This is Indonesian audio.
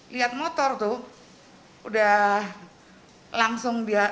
lihat motor tuh udah langsung biar